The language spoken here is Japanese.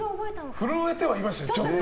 震えてはいましたね、ちょっと。